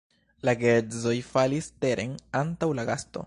La geedzoj falis teren antaŭ la gasto.